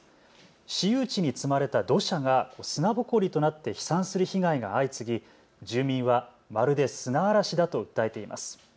市有地に積まれた土砂が砂ぼこりとなって飛散する被害が相次ぎ、住民はまるで砂嵐だと訴えています。